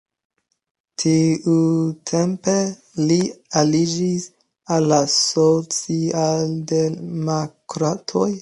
Tiutempe li aliĝis al la socialdemokratoj.